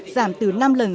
giảm từ năm lần